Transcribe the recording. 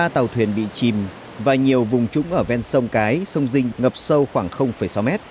hai mươi ba tàu thuyền bị chìm và nhiều vùng trũng ở ven sông cái sông dinh ngập sâu khoảng sáu m